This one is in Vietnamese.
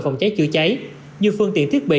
phòng cháy chữa cháy như phương tiện thiết bị